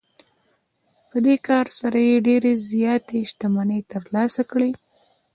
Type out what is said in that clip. په دې کار سره یې ډېرې زیاتې شتمنۍ ترلاسه کړې